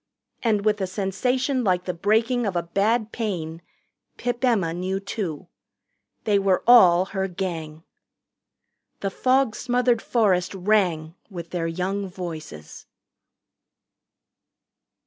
And with a sensation like the breaking of a bad pain Pip Emma knew, too. They were all her Gang. The fog smothered forest rang with their young voices.